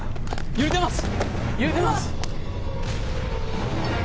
揺れてます！